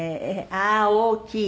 ああー大きい！